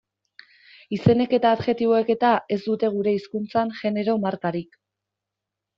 Izenek eta adjektiboek eta ez dute gure hizkuntzan genero markarik.